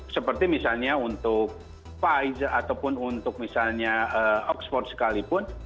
seperti misalnya untuk pfizer ataupun untuk misalnya oxford sekalipun